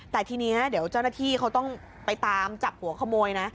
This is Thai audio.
แต่ทีนี้เดี๋ยวเจ้าหน้าที่เขาต้องไปตามจับหัวขโมยนะ